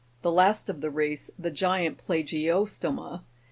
73), the last of the race, the giant plagio'stoma, (Jig.